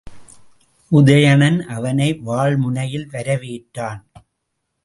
உதயணன் அவனை வாள்முனையில் வரவேற்றான்.